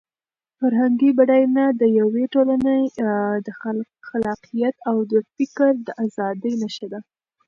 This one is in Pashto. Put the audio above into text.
فرهنګي بډاینه د یوې ټولنې د خلاقیت او د فکر د ازادۍ نښه ده.